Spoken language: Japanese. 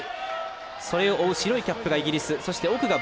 それを追う白いキャップがイギリス。